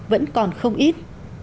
vẫn còn không ít